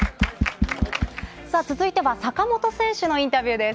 続いては坂本選手のインタビューです。